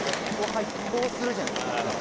ここ入ってこうするじゃないですか。